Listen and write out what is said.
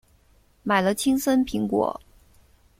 买了青森苹果